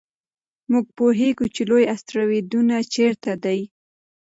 موږ پوهېږو چې لوی اسټروېډونه چیرته دي.